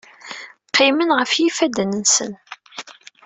Qqimen ɣef yifadden-nsen.